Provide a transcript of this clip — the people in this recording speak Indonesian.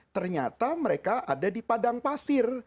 ternyata mereka ada di padang pasir